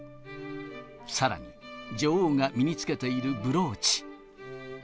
さらに、女王が身につけているブローチ。